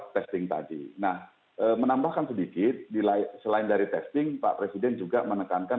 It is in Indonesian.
testing tadi nah menambahkan sedikit di lain selain dari testing pak presiden juga menekankan